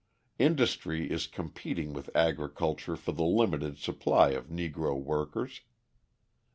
Industry is competing with agriculture for the limited supply of Negro workers.